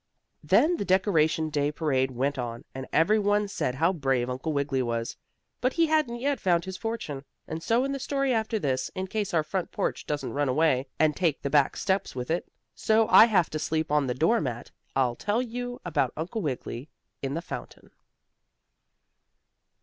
Then the Decoration Day parade went on, and everyone said how brave Uncle Wiggily was. But he hadn't yet found his fortune, and so in the story after this in case our front porch doesn't run away, and take the back steps with it, so I have to sleep on the doormat, I'll tell you about Uncle Wiggily in the fountain.